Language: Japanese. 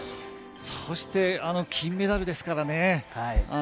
そして金メダルですからね。